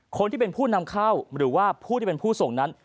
คนที่เป็นผู้นำเข้าหรือว่าผู้ที่เป็นผู้ส่งนั้น